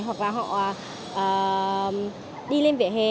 hoặc là họ đi lên vỉa hè